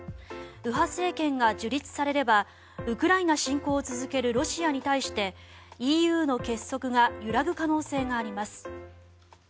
右派政権が樹立されればウクライナ侵攻を続けるロシアに対してＥＵの結束が揺らぐ可能性があります。